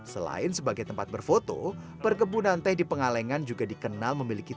selain sebagai tempat berfoto perkebunan teh di pengalengan juga dikenal memiliki